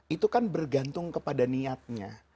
itu kan bergantung kepada niatnya